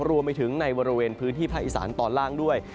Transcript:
รวมไปถึงในบริเวณพื้นที่ภาคอีสานตอนล่างด้วย